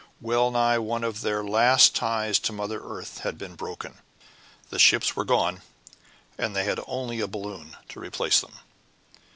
Well nigh one of their last ties to Mother Earth had been broken; the ships were gone, and they had only a balloon to replace them!